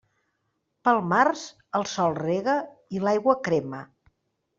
Pel març, el sol rega i l'aigua crema.